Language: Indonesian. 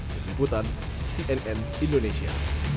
keputusan cnn indonesia